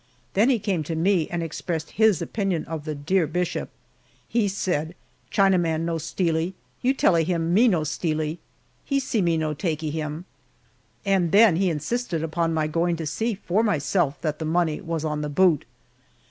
Then he came to me and expressed his opinion of the dear bishop. He said, "China man no stealee you tellee him me no stealee he see me no takee him" and then he insisted upon my going to see for myself that the money was on the boot.